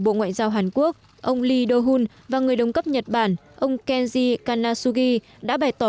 bộ ngoại giao hàn quốc ông lee do hun và người đồng cấp nhật bản ông kenji kanashugi đã bày tỏ